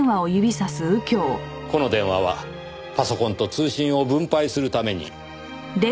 この電話はパソコンと通信を分配するために。